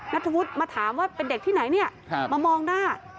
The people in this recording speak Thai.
นัทธวุฒิมาถามว่าเป็นเด็กที่ไหนเนี่ยมามองหน้า